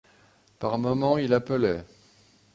Par moments il appelait.